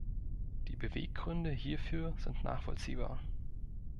Die Beweggründe hierfür sind nachvollziehbar.